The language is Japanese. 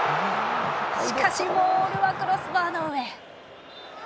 しかし、ボールはクロスバーの上。